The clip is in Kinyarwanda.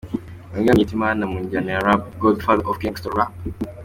Bamwe bamwitaga Imana mu njyana ya Rap “The Godfather of Gangsta Rap".